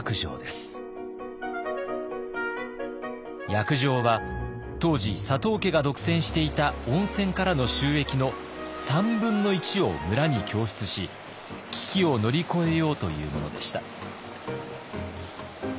約定は当時佐藤家が独占していた温泉からの収益の３分の１を村に供出し危機を乗り越えようというものでした。